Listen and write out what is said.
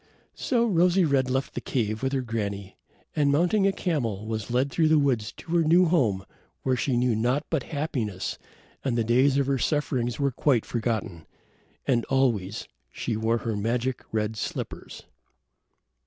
So Rosy red left the cave with her granny, and mounting a camel was led through the woods to her new home where she knew naught but happiness and the days of her sufferings were quite forgotten. And always she wore her magic red slippers.